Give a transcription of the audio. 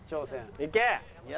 いけ！